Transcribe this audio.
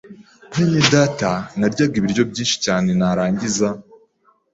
bene data naryaga ibiryo byinshi cyane narangiza